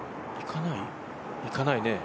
いかないね。